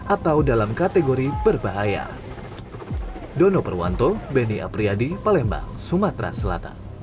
atau dalam kategori berbahaya